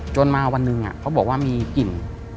มาวันหนึ่งเขาบอกว่ามีกลิ่น